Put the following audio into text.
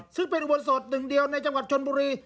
ซึ่งเป็นอุโบสถหนึ่งเดียวในจังหวัดชนบุรี